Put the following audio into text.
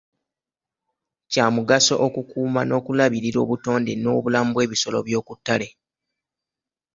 Kya mugaso okukuuma n'okulabirira obutonde n'obulamu bw'ebisolo by'okuttale.